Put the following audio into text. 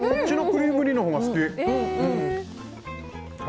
こっちのクリーム煮のほうが好き。